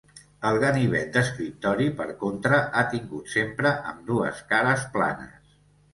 El ganivet d'escriptori per contra ha tingut sempre ambdues cares planes.